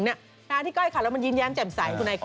ที่ก้อยขาดแล้วมันยิ้มแย้มแจ่มใสคุณไอก้อย